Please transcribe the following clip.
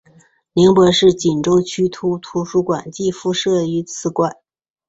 宁波市鄞州区图书馆亦附设于此馆。